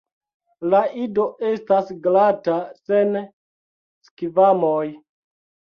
La ido estas glata sen skvamoj.